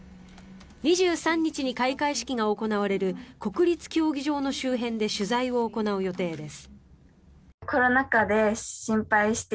２３日に開会式が行われる国立競技場の周辺で取材を行う予定です。